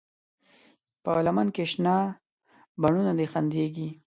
په لمن کې شنه بڼوڼه دي خندېږي